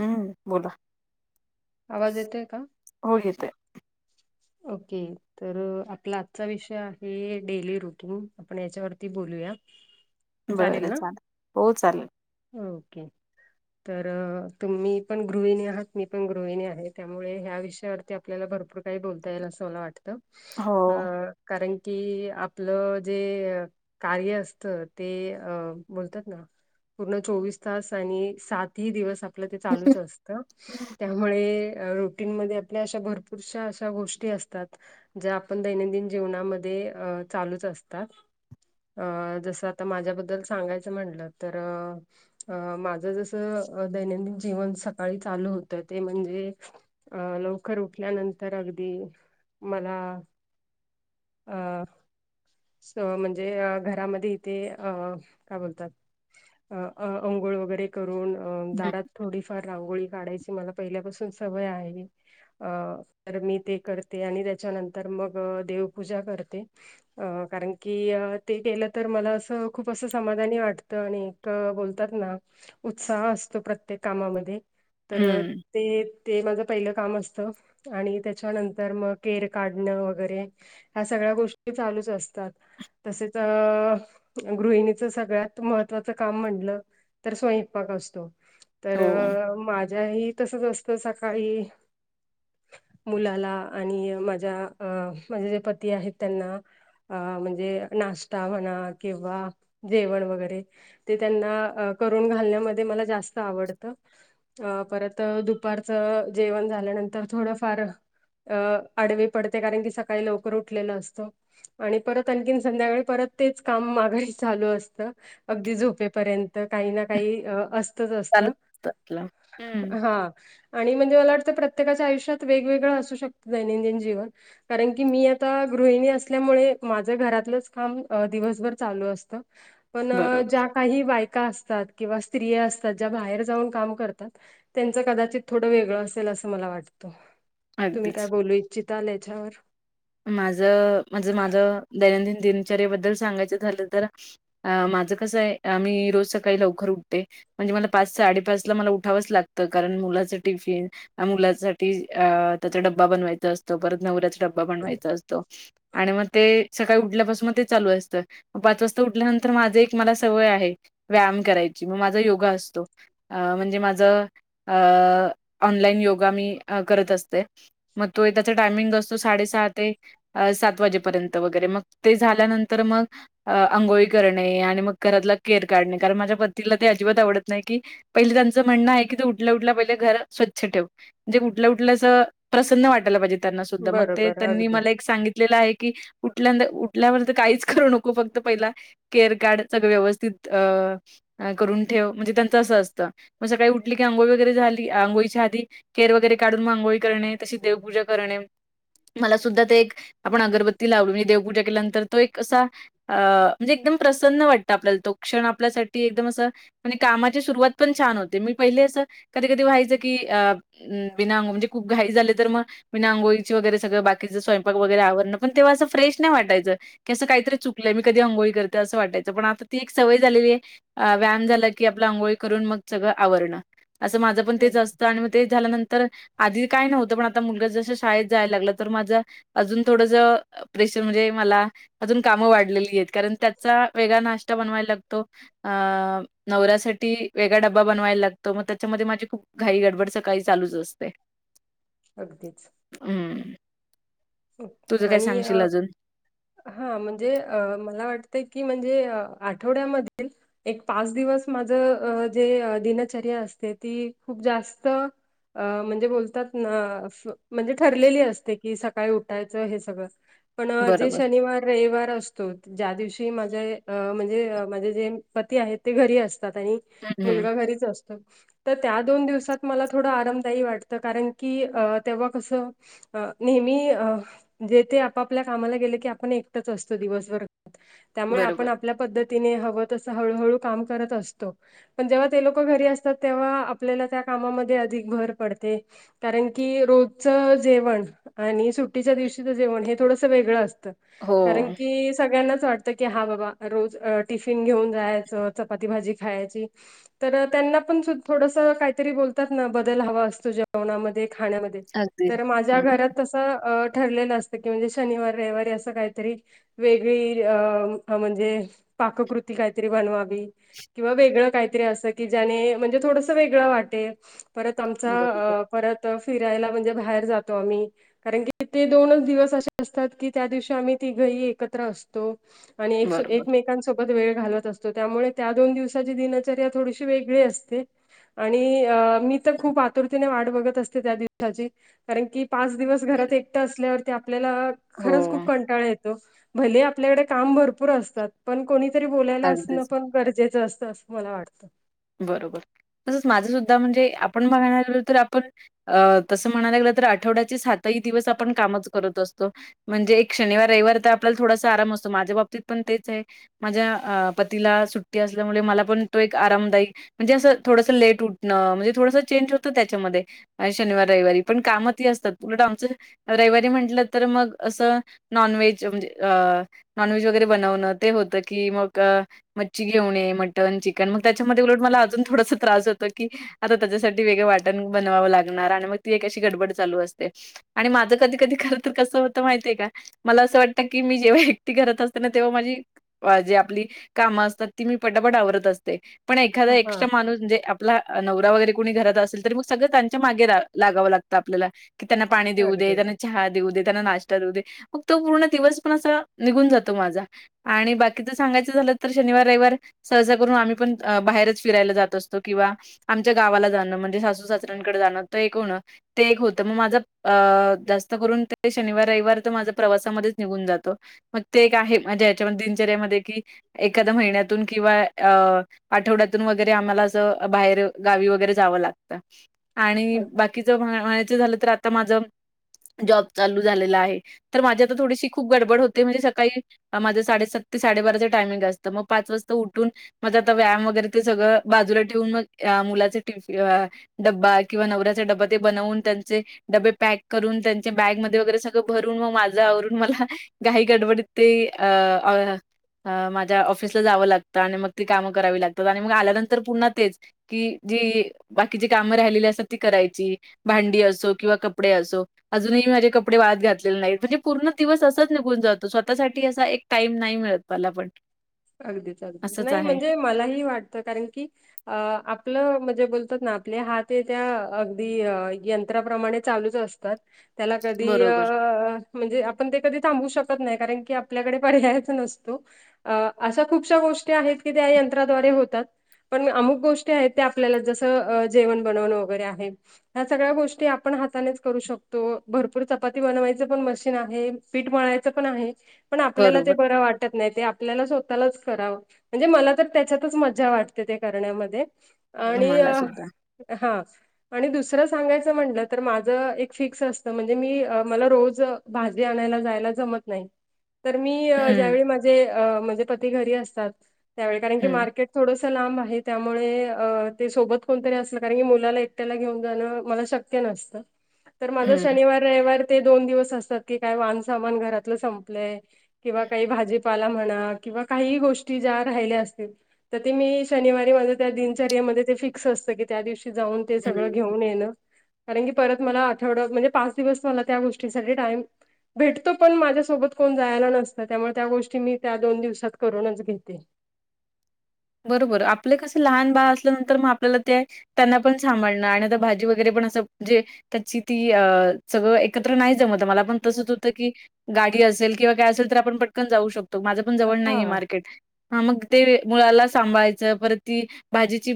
हम्म, बोला! आवाज येतोय का? हो येतोय ओके तर आपला आजचा विषय आहे, डेली रुटीन आपण याच्यावरती बोलूया. [unintelligible] चालेल बरं ना? चाले, हो चालेल. ओके तर तुम्ही पण गृहिणी आहात, मी पण गृहिणी आहे त्यामुळे ह्या विषयावरती. आपल्याला भरपूर काही बोलता येईल असं मला वाटतं. अ हो. कारण की आपलं जे कार्य असत ते अ बोलतात ना? पूर्ण चोवीस तास आणि सात ती दिवस आपलं, ते चालूच असतं. त्यामुळे रोटीन म आपल्या, अशा भरपूरश अशा गोष्टी. असतात, ज्या आपण दैनंदिन जीवनामध्ये चालूच असतात. अ जसं आता माझ्याबद्दल सांगायचं, म्हटलं तर? अं माझं जस दैनंदिन जीवन सकाळी चालू होतं, ते म्हणजे अ लवकर उठल्यानंतर अगदी. मला, अं म्हणजे घरामध्ये इथे अ काय बोलतात अ अंघोळ वगैरे करून दारात थोडीफार रांगोळी काढायची. ते मला पहिल्यापासून सवय आहे, अ तर ते मी कर ते आणि त्याच्यानंतर मग देवपूजा करते. अ कारण की ते केलं तर, मला असं खूप असं समाधानी वाटतं आणि बोलतात ना उत्साह असतो, प्रत्येक कामामध्ये. तर हम्म ते ते माझं पहिलं काम, असतं आणि त्याच्यानंतर तर मग केर काढणं वगैरे ह्या सगळ्या गोष्टी चालूच असतात. तसेच अ गृहिणीचं सगळ्यात महत्त्वाचं काम म्हटलं. तर स्वयपाक असतो तर हो मा ह्याही तसच असत सकाळी मुलाला. आणि माझ्या अ माझे जे पती आहेत त्यांना अ.. म्हणजे नाश्ता म्हणा, किंवा जेवण वगैरे. ते त्यांना करून घालण्यामध्ये मला जास्त. आवडत अ परत दुपारचं जेवण झाल्यानंतर थोडं फार. अ आडवी पडते कारण की सकाळी लवकर उठलेलं असतं. आणि परत आणखी संध्याकाळी परत तेच काम माघारी चालू असतं. अगदी झोपेपर्यंत, काही ना काही असतं. तसच असत चालत असतं आपलं हम्म हा. आणि म्हणजे मला वाटतं प्रत्येकाच्या आयुष्यातेगवेगळं असू शकतं दैनंदिन जीवन. कारण की मी आता गृहिणी असल्यामुळे माझं घरातलंच काम दिवसभर चालू असतं. पण बरोबर ज्या काही बायका असतात किंवा स्त्रिया असतात, ज्या बाहेर जाऊन काम करतात. त्यांचं कदाचित थोडं वेगळं असेल असं मला वाटतं तुम्ही अगदीच. काय बोलू इच्छिताल याच्यावर? माझं माज माझ दैनंदिन दिनचर्याेबद्दल सांगायचं झालं तर. अ माझं कसं आहे आ मी रोज सकाळी लवकर उठते. म्हणजे मला पाच साडेपाच ला मला उठावंच लागतं कारण मुलाचं टिफिन ह मुलासाठी त्याचा डब्बा बनवायचा असतो परत नवऱ्याचा डब डब्बा बनवायचा असतो आणि मग ते सकाळी उठल्यापासून तेच चालू असतं, मग पाच वाजता उठल्यानंतर माझ एक मला एक सवय आहे. व्यायाम करायची मग माझा योगा असतो. अ म्हणजे माझं अ ऑनलाईन योगा मी करत असते. मग तो त्याचा टायमिंग असतो साडेसहा ते अ सात वाजेपर्यंत वगैरे मग ते झाल्यानंतर मग. अ अंघोळी करणे आणि मग घरातला केअर काढणे कारण माझ्या पतीला ते अजिबात आवडत नाही की. पहिले त्यांचं म्हणणं आहे की, ते उठल्या उठलं पहिले घरात स्वच्छ ठेव. ते उठल्या उठल्यास प्रसन्न वाटायला पाहिजे त्यांना सुद्धा त्यांनी मग ते बरोबर त्यांनी मला अगदीच सांगितलं आहे की उठल्यांद उठल्यावर तर काहीच करू नको फक्त पहिला. केअर काढत सगळ व्यवस्थित अ करून ठेव म्हणजे त्यांच असं असतं मग सकाळी उठली की अंघोळी वगैरे झाली अंघोळीच्या आधी केर वगैरे काढून आंघोळी करणे मग तशीच देवपूजा करणे. मला सुद्धा ते एक आपण अगरबत्ती लावली म्हणजे देवपूजा केल्यानंतर तो एक असा. अ म्हणजे एकदम प्रसन्न वाटतं आपल्याला तो क्षण आपल्यासाठी एकदम असं. पण एक कामाची सुरुवात पण छान होते मी पहिले असं कधी कधी व्हायचं की बिना अंघोळीची घाई झाली तर बिना आंघोळी वगैरे सगळं बाकीचं स्वयंपाक वगैरे पण तेव्हा असं फ्रेश नाही वाटायचं. की असं काहीतरी चुकलंय मी कधी अंघोळी करते असं वाटायचं पण आता ती एक सवय झालेली आहे अ व्याम झाला की आपलं आंघोळी करून मग सगळं आवरणं. असं माझं पण अ, तेच असतं आणि म ते झाल्यानंतर आधी काही नव्हतं पण आता मुलगा जस जस शाळेत जायला लागलं तर माझ अजून थोड प्रेशर म्हणजे मला. अजून कामं वाढलेली आहेत, कारण त्याचा वेगळा नाश्ता बनवायला लागतो. अं.. नवऱ्यासाठी वेगळा ड्बा बनवायला लागतो मग त्याच्यामध्ये माझी खूप घाई गडबड सकाळी चालूच असते. अगदीच उम्म तुझं काय आणि सांगशील अ, अजून? हा म्हणजे अ.. मला वाटतंय की, म्हणजे आठवड्यामध्ये. एक पाच दिवस माझ अ जे अ दिनचर्या असते ती खूप जास्त अ म्हणजे बोलतात ना म्हणजे ठरलेली असते की स काय उठायचं हे सगळच पण जे बरोबर. शनिवार रविवार असतो ज्या दिवशी माझे अ म्हणजे अ माझे जे पती आहेत ते घरी असतात आणि हं, हं. मुलगा घरीच अस तर त्या दोन दिवसात मला थोडं आरामदायी वाटतं कारण की अ तेव्हा कसं हा नेहमी अ जे ते आप आपल्या कामाला गेले की आपण एकटच असतो दिवसभर त्यामुळे बरोबर. आपण आपल्या पद्धतीने हवं तसं हळूहळू काम करत असतो. पण जेव्हा ते ललोकं घरी असतात तेव्हा आपल्याला त्या कामामध्ये अधिक भर पडते. कारण की रोजचा जेवण आणि सुट्टीच्या दिवशी तर जेवण हे थोडसं वेळं असतं हो. कारण की सगळ्यांना वाट त की हा बाबा रोज टिफिन घेऊन जायचं चपाती भाजी खायची. तर त्यांना पण थोडसा काहीतरी बोलतात ना बदल हवा असतो जेवणामध्ये खण्यामध्ये अगदी. तर माझ्या हं. घरात तसं तर अ ठरलेलं असतं की म्हणजे शनिवार रविवारी असं काहीतरी वेगळी अ म्हणजे पाककृती काहीतरी बनवावी. किंवा वेगळं काहीतरी असं कि ज्याने म्हणजे थोडसं वेगळं वाटेल परत आमचा बरोबर. परत फिरायला म्हणजे बाहेर जातो आम्ही कारण की ते दोनच दिवस अशे असतात की त्या दिवशी आम्ही तिघही एकत्र असतो. आणि एक सो बरोबर. एकमेकांसो पच वेळ घालवत असतो त्यामुळे त्या दोन दिवसाची दिनचर्या थोडीशी वेगळी असते. आणि मी तर खूप अ आतुरतेने वाट बघत असते त्या दिवसाची कारण की पाच दिवस घरात एकट असल्यावरती आपल्याला हो. खरंच खूप कंटाळा ये भले ही आपल्याकडे काम भरपूर असतात पण कोणीतरी बोलायला असणं अगदीच. पण गरजेचं असतं असं मला वाटतं. बरोबर तसच माझं सुद्धा म्हणजे आपण [unintelligible] तरी आपण अ तसं म्हणायला गेले तर आठवड्याचे सातही दिवस आपण कामच करत असतो. म्हणजे एक शनिवार रविवार तर आपल्याला थोडासा आराम असतो माझ्या बाबतीत पण तेच आहे. माझ्या अ पतीला सुट्टी असल्यामुळे मला पण तो एक आरामदायी म्हणजे असं थोडसं लेट उठणं म्हणजे थोडं चेंज होतं त्याच्यामध्ये आणि शनिवार रविवारी पण कामं ती असतात पुलट आमचं रविवारी म्हटलं तर मग असं नॉन व्हेज म्हणजे अ नॉनव्हेज वगैरे बनवणं ते होतं की मग मच्छी घेऊन ये मटन चिकन मग त्याच्याम ते उलटं मला अजून थोडा सा त्रास होतो की आता त्याच्यासाठी वेगळं वाटण बनवावं लागणार आणि मग ती एक अशी गडबड चालू असते. आणि माझं कधी-कधी खरं तर कसं होत माहितय का मला असं वाटतं की मी जेव्हा एकटी करत असते ना तेव्हा माझी जे आपली कामं असतात ती मी पटापट आवरत असते पण एखादा हा एक्स्ट्रा माणूस म्हणजे आप आपला नवरा वगैरे कोणी घरात असेल तर मग सगळं त्यांच्या मागे रा लागावं लागतं आपल्याला. की त्यांना पाणी देऊ दे, अगदीच त्यांना चहा देऊ दे त्यांना नाश्ता देऊ दे मग तो पूर्ण दिवस पण असा निघून जातो माझा आणि बाकीचा सांगायचं झालं तर शनिवार रविवार सहसा करून आम्ही पण अ बाहेरच फिरायला जात असतो किंवा आमच्या गावाला जाणं म्हणजे सासू-सासऱ्यांकडे जाणं तर एक होणं ते एक होतं म माझं अ जास्त करून ते शनिवार रविवार तर माझ्या प्रवासामध्येच निघून जातो. मग ते एक आहे माझे याच्यामध्ये दिनचर्यामध्ये कि एखाद्या महिन्यातून किंवा अ आठवड्यातून वगैरे आम्हाला असं बाहेर गावी वगैरे जावं लागतं. आणि अगदी. बाकीच म्हणायचं झालं तर आता माझा जॉब चालू झालेलं आहे. तर माझी आता थोडीशी खूप गडबड होते म्हणजे सकाळी. माझं साडेसात ते साडेबाराचं टायमिंग असतं मग पाच वाजता उठून माझा तर व्यायाम वगैर ते सगळं बाजूला ठेवून मग या मुलाचे टिफी या डब्बा किंवा नवऱ्याचा डब्बा ते बनवून त्यांचे डबे पॅक करून त्यांच्या बॅगमध्येध्ये वगैरे सगळं भरून मग माझं आवरून मला काही गडबडीत ते अ माझ्या ऑफिसला जावं लागतं आणि मग ते काम करावी लागतात आणि मग आल्यानंतर पुन्हा तेच की जी. बाकीची कामं राहिलेली असतात ती करायची भांडी असो किंवा कपडे असो. अजूनही माझे कपडे वाहत घातलेले, नाहीत म्हणजे पूर्ण दिवस असाच निघून जातो स्वतःसाठी असा एक. टाईम नाही मिळत मला पण. अगदीच अगदी असंच नाही आहे. म्हणजे मलाही वाटतं कारण की. अ आपलं म्हणजे बोलतात ना आपले हात त्या अगदी यंत्राप्रमाणे चालूच असत उगाच त्याला कधी अ. बरोबर, म्हणजे आपण ते कधी थांबू शकत नाही कारण की आपल्याकडे पर्यायच नसतो अ. अशा खूपशा गोष्टी आहेत की त्या यंत्राद्वारे होतात. पण अमुक गोष्टी आहेत ते आपल्याला जसं जेवण बनवणं वगैरे आहे. ह्या सगळ्या गोष्टी आपण हातानेच करू शकतो भरपूर चपाती बनवायच पण मशीन आहे. पीठ म्हणायच, पण आहे पण आपल्याला ते बरोबर. बरं वाटत नाही ते आपल्याला. स्वतःलाच कराव म्हणजे, मला तर त्याच्यातच मजा वाटते ते करण्यामध्ये. हं. आणि मला सुद्धा. हा. आणि दुसरं सांगायचं म्हटलं तर माझं एक फिक्स असतं म्हणजे मी मला रोज. भाजी आणायला जायला, जमत नाही. तर मी हं, ज्यावेळी माझे म्हणजे पती घरी, असतात त्यावेळी कारण की हं, मार्केट. थोडस लांब आहे त्यामुळे ते सोबत कोणतरी असलं कारण की मुलाला एकट्याला घेऊन जाणं मला शक्य शक्य नसत तर माझ हं, शनिवार रविवार. ते दोन दिवस असतात की काय वान सामान घरातलं संपलंय किंवा काही भाजीपाला म्हणा. किंवा काही गोष्टी ज्या, राहिल्या असतील. तर ते मी शनिवारी माझं त्या दिनचर्यामध्ये ते फिक्स असतं की त्या दिवशी जाऊन. ते हं. सगळं घेऊन येणं. कारण की परत मला आठवडा म्हणजे, पाच दिवस मला त्या गोष्टीसाठी टाइम. भेटतो पण माझ्यासोबत, कोण जायला नसतं त्यामुळे त्या गोष्टी मी त्या दोन दिवस. त करूनच घेते. बरोबर आपले कसं लहान बाळ असल्यानंतर मग आपल्याला ते. त्यांना पण सांभाळणं आणि आता भाजी वगैरे पण असं जे. त्यांची ती सगळं, एकत्र नाही जमत मला. पण तसंच होतं की गाडी असेल, किंवा काय असेल तर आपण पटकन जाऊ, शकतो माझं पण जवळ नाहीये हा मार्केट. हा मग ते मुळाला सांभायचं परत, ती भाजीची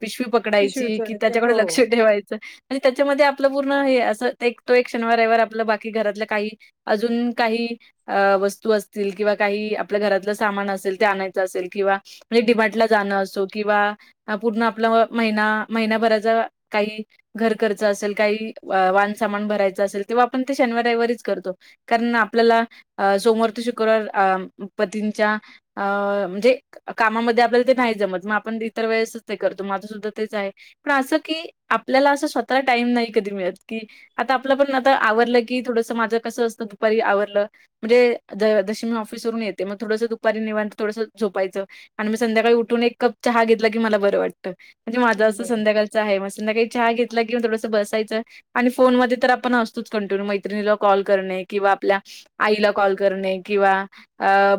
पिशवी प पिशवी पकडायची, कि उचलायचे. त्याच्याकडे हो लक्ष ठेवायचं. म्हणजे त्याच्यामध्ये आपलं पूर्ण हे असं तो एक शनिवारवार आपलं बाकी घरातलं काही अजून काही अ वस्तू असतील किंवा काही आपल्या घरातलं सामान असेल, ते आणायचं असेल किंवा म्हणजे, डिमार्टला जाणं असो किंवा हा पूर्ण आपला महिना महिनाभराचा काही. घर खर्च असेल काही, वान सामान भरायचं असेल, तेव्हा आपण ते शनिवार रविवारीच करतो. कारण आपल्याला अ सोमवार ते शुक्रवार अ पतींच्या अ म्हणजे. कामामध्ये आपल्याला ते नाही जमत मग आपण इतर वेळेसच ते करतो माझं सुद्धा तेच आहे. पण असं की आपल्याला, असं स्वतःला टाइम नाही कधी मिळत की. आता आपलं पण आता आवरलं की थोडसं माझं कसं असतं दुपारी आवरलं. म्हणजे जशी मी ऑफिसवरून येते, मग थडसं दुपारी निवांत थोडंस झोपायचं. आणि मी संध्याकाळी, उठून एक कप चहा घेतला की मला बरं वाटतं म्हणजे माझं असं बरोबर. संध्याकाळ. आहे मग संध्याकाळी चहा घेतला, किंवा थोडसं बसायचं. आणि फोनमध्ये तर आपण असतोच कंटिन्यू मैत्रिणीला कॉल करणे किंवा आपल्या आईला कॉल करणे किंवा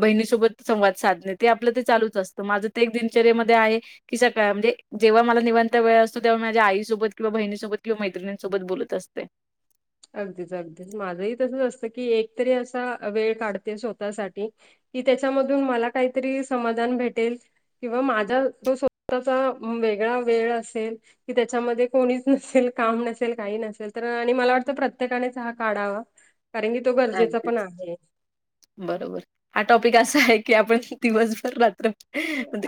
बहिणीसोबत संवाद साधणे ते आपल्यात चालूच असतं माझं ते एक दिनचर्यामध्ये आहे कि सकाळ म्हणजे जेव्हा मला निवांत वेळ असतो तेव्हा माझ्या आईसोबत किंवा बहिणीसोबत किंवा मैत्रिंसोबत बोलत असते. अगदीच अगदीच माझंही तसच असतं की एकतरी असा वेळ काढते स्वतःसाठी कि त्याच्यामधून मला काहीतरी समाधान भेटेल. किंवा माझा तो स्वतःचा वेगळा वेळ असेल कि त्याच्यामध्ये कोणीच नसेल काम नसेल काही नसेल तर आणि मला वाट प्रत्येकानेच हा काढावा कारण की तो गरजेचा अगदीच. पण आहे बरोबर हा टॉपिक असा आहे की आपण दिवसभर रात्र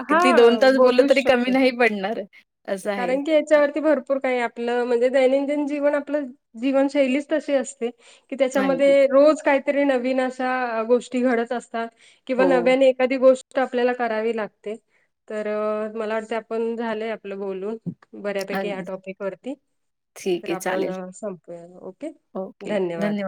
हा ती दोन तास बोललं बोलूच तरी शकतो कमी नाही पडणार असं आहे. कारण की त्यावरती भरपूर का आप म्हणजे दैनंदिन जीवन आपलं जीवनशैलीच तशी असते कि अगदी. त्याच्यामध्ये रोज काहीतरी नवीन अशा गोष्टी घडत असता किंवा हो, नव्याने एखादी गोष्ट आपल्याला करावी लागते, तर मला वाटतंय आपण झालंय आपलं बोलून. बऱ्यापैकी ह्या अगदी. टॉपिकवरती. ठीक तर आहे चालेल. आपण संपवूया ओके धन्यवाद.